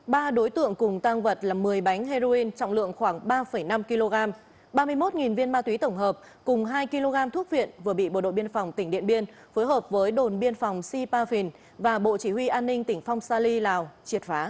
ba đối tượng cùng tăng vật là một mươi bánh heroin trọng lượng khoảng ba năm kg ba mươi một viên ma túy tổng hợp cùng hai kg thuốc viện vừa bị bộ đội biên phòng tỉnh điện biên phối hợp với đồn biên phòng sipa phìn và bộ chỉ huy an ninh tỉnh phong sa ly lào triệt phá